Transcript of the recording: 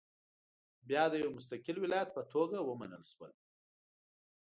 بیا د یو مستقل ولایت په توګه ومنل شول.